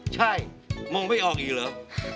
ใช่มองไม่ออกอีกเหรอ